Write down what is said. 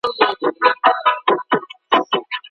ځينې فاميلونه د واده توان نه لري.